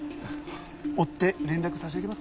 追って連絡差し上げますから。